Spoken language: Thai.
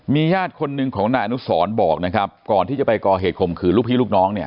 ญาติคนหนึ่งของนายอนุสรบอกนะครับก่อนที่จะไปก่อเหตุข่มขืนลูกพี่ลูกน้องเนี่ย